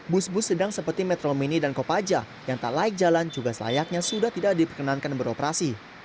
bus bus sedang seperti metro mini dan kopaja yang tak laik jalan juga selayaknya sudah tidak diperkenankan beroperasi